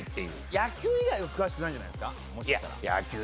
野球以外は詳しくないんじゃないですか？